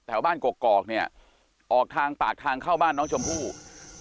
แถวบ้านกกอกเนี่ยออกทางปากทางเข้าบ้านน้องชมพู่